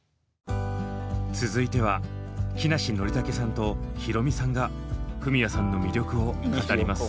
続いては木梨憲武さんとヒロミさんがフミヤさんの魅力を語ります。